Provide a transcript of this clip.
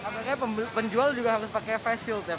mereka penjual juga harus pakai face shield ya pak